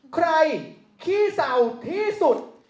ขี้เศร้าที่สุด